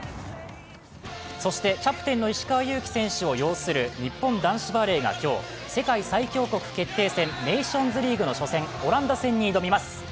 そしてキャプテンの石川祐希選手を擁する日本男子バレーが今日、世界最強国決定戦ネーションズリーグの初戦、オランダ戦に挑みます。